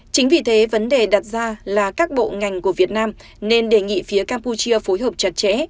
chính vì thế vấn đề đặt ra là các bộ ngành của việt nam nên đề nghị phía campuchia phối hợp chặt chẽ